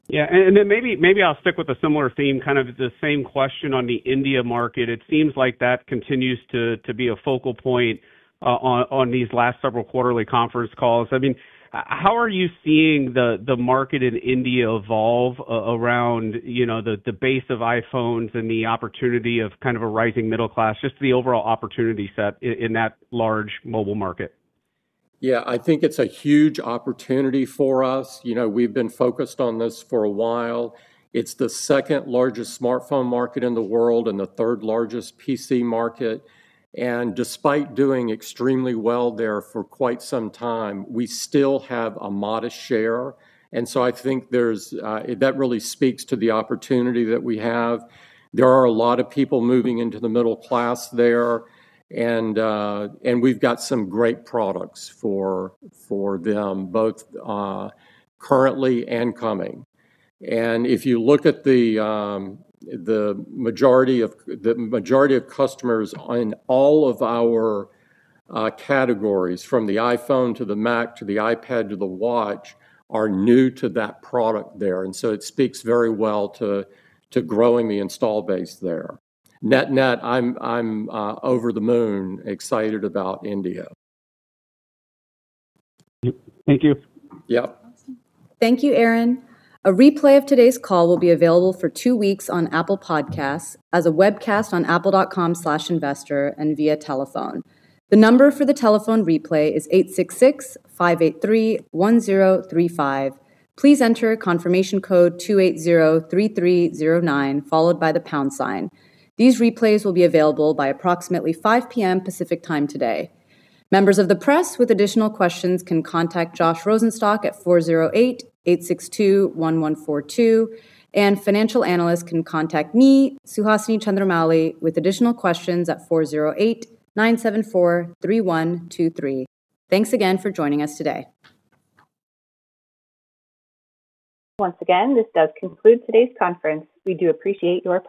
Yeah. Maybe I'll stick with a similar theme, kind of the same question on the India market. It seems like that continues to be a focal point on these last several quarterly conference calls. I mean, how are you seeing the market in India evolve around, you know, the base of iPhones and the opportunity of kind of a rising middle class, just the overall opportunity set in that large mobile market? Yeah. I think it's a huge opportunity for us. You know, we've been focused on this for a while. It's the second-largest smartphone market in the world and the third-largest PC market. Despite doing extremely well there for quite some time, we still have a modest share. I think there's that really speaks to the opportunity that we have. There are a lot of people moving into the middle class there, and we've got some great products for them, both currently and coming. If you look at the majority of customers on all of our categories, from the iPhone to the Mac to the iPad to the Watch, are new to that product there. It speaks very well to growing the install base there. Net-net, I'm over the moon excited about India. Thank you. Yep. Thank you, Aaron Rakers. A replay of today's call will be available for 2 weeks on Apple Podcasts, as a webcast on apple.com/investor, and via telephone. The number for the telephone replay is 866-583-1035. Please enter confirmation code 2803309, followed by the pound sign. These replays will be available by approximately 5:00 P.M. Pacific Time today. Members of the press with additional questions can contact Josh Rosenstock at 408-862-1142. Financial analysts can contact me, Suhasini Chandramouli, with additional questions at 408-974-3123. Thanks again for joining us today. Once again, this does conclude today's conference. We do appreciate your participation.